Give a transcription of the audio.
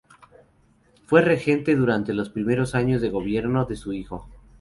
Fue regente durante los primeros años de gobierno de su hijo.